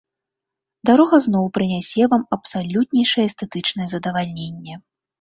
Дарога зноў прынясе вам абсалютнейшае эстэтычнае задавальненне.